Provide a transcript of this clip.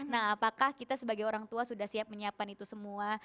nah apakah kita sebagai orang tua sudah siap menyiapkan itu semua